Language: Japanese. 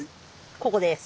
ここです。